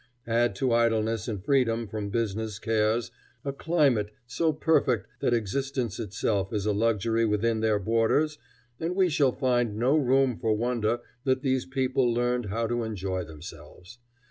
Add to idleness and freedom from business cares a climate so perfect that existence itself is a luxury within their borders, and we shall find no room for wonder that these people learned how to enjoy themselves.